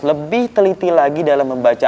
lebih teliti lagi dalam membaca